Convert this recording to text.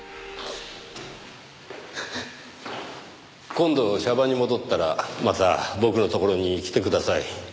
今度娑婆に戻ったらまた僕のところに来てください。